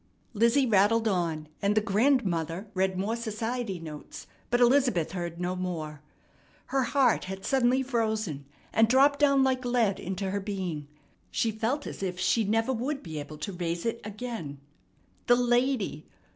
Lizzie rattled on, and the grandmother read more society notes, but Elizabeth heard no more. Her hear had suddenly frozen, and dropped down like lead into her being. She felt as if she never would be able to raise it again. The lady!